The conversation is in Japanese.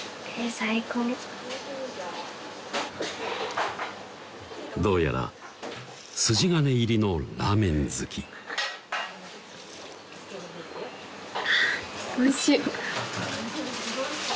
最高どうやら筋金入りのラーメン好きあぁおいしい！